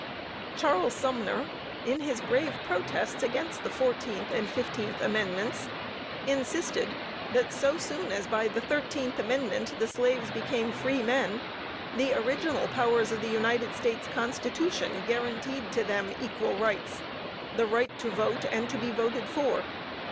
Charles Sumner, in his brave protests against the fourteenth and fifteenth amendments, insisted that, so soon as by the thirteenth amendment the slaves became free men, the original powers of the United States Constitution guaranteed to them equal rights the right to vote and to be voted for.